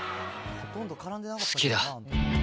好きだ！